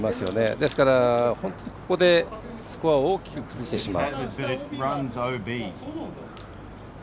ですから、ほんとうにここでスコアを大きく崩してしまう。